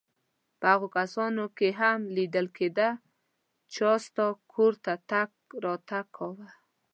په هغو کسانو کې هم لیدل کېده چا ستا کور ته تګ راتګ کاوه.